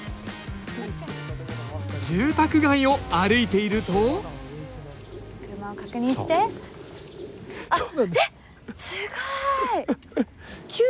住宅街を歩いていると車を確認してあっ！